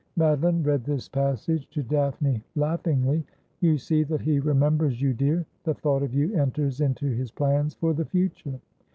Madoline read this passage to Daphne laughingly. ' You see that he remembers you, dear. The thought of you enters into his plans for the future.'